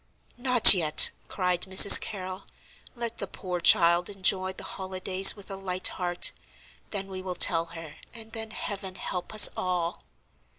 "Not yet," cried Mrs. Carrol. "Let the poor child enjoy the holidays with a light heart,—then we will tell her; and then Heaven help us all!"